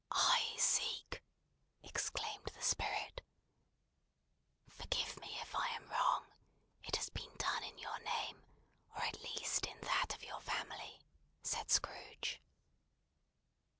"I seek!" exclaimed the Spirit. "Forgive me if I am wrong. It has been done in your name, or at least in that of your family," said Scrooge.